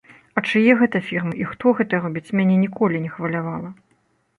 А чые гэта фірмы і хто гэта робіць, мяне ніколі не хвалявала.